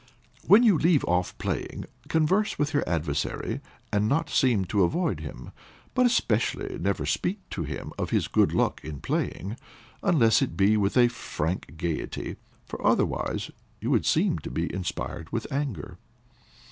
When you leave off playing, converse with your adversary, and not seem to avoid him, but especially never speak to him of his good luck in playing, unless it be with a frank gaiety, for otherwise you would seem to be inspired with anger.